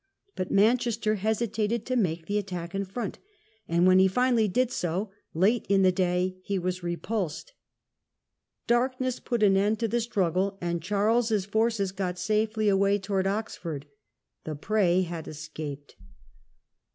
But Manchester hesitated to make the attack in front, and when he finally did so, late in the day, he was repulsed. Darkness put an end to the strug gle, and Charles's forces got safely away towards Oxford. The prey had escaped.